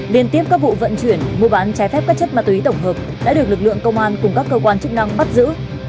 liên tiếp các vụ vận chuyển mua bán trái phép các chất ma túy tổng hợp đã được lực lượng công an cùng các cơ quan chức năng bắt giữ